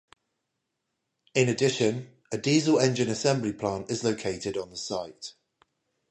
In addition, a diesel engine assembly plant is located on the site.